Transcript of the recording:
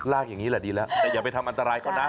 ลากอย่างนี้แหละดีแล้วแต่อย่าไปทำอันตรายเขานะ